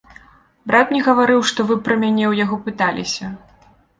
Брат мне гаварыў, што вы пра мяне ў яго пыталіся.